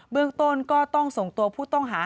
เรื่องต้นก็ต้องส่งตัวผู้ต้องหา